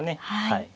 はい。